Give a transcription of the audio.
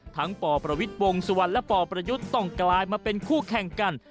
ทั้งป่อประวิทย์วงศ์สวรรค์และป่อประยุทธ์ต้องกลายมาเป็นคู่แข่งกัน